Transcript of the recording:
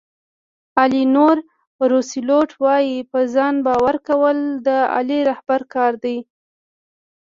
الینور روسیولوټ وایي په ځان باور کول د عالي رهبر کار دی.